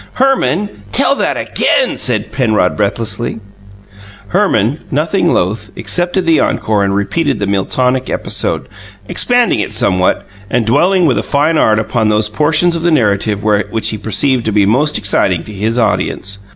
"Herman, tell that again!" said Penrod, breathlessly. Herman, nothing loath, accepted the encore and repeated the Miltonic episode, expanding it somewhat, and dwelling with a fine art upon those portions of the narrative which he perceived to be most exciting to his audience.